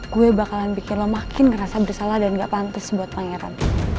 gue bakalan bikin lemakin ngerasa bersalah dan gak pantas buat pangeran